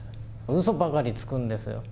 うそばかりつくんですよ。